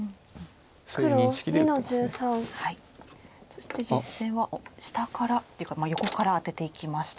そして実戦は下からというか横からアテていきましたね。